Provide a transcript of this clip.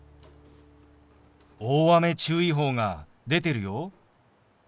大雨注意報が出てるよ。